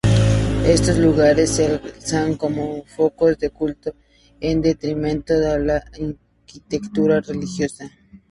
Estos lugares se alzan como focos de culto en detrimento de la arquitectura religiosa.